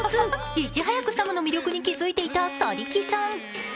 いち早くサムの魅力に気付いていた去木さん。